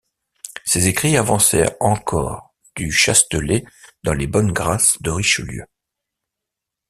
Ces écrits avancèrent encore Du Chastelet dans les bonnes grâces de Richelieu.